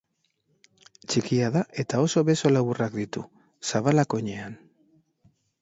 Txikia da eta oso beso laburrak ditu, zabalak oinean.